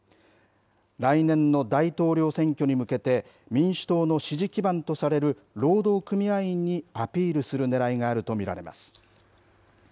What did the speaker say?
来年の大統領選挙に向けて、民主党の支持基盤とされる労働組合員にアピールするねらいがあると見られます。